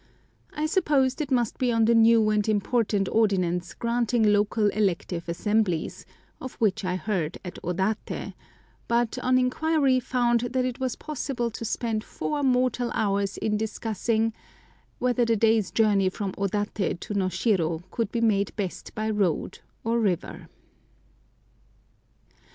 I supposed it must be on the new and important ordinance granting local elective assemblies, of which I heard at Odaté, but on inquiry found that it was possible to spend four mortal hours in discussing whether the day's journey from Odaté to Noshiro could be made best by road or river.